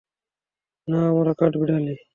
না, আমরা কাঠবিড়ালী।